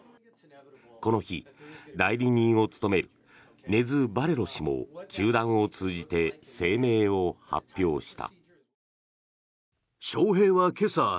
この日、代理人を務めるネズ・バレロ氏も球団を通じて声明を発表した。